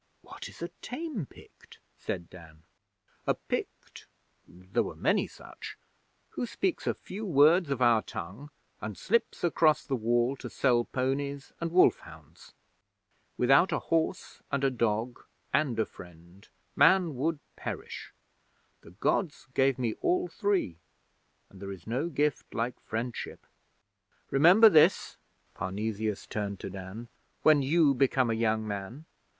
'What is a tame Pict?' said Dan. 'A Pict there were many such who speaks a few words of our tongue, and slips across the Wall to sell ponies and wolf hounds. Without a horse and a dog, and a friend, man would perish. The Gods gave me all three, and there is no gift like friendship. Remember this' Parnesius turned to Dan 'when you become a young man.